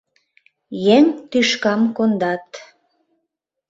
Еҥ тӱшкам кондат.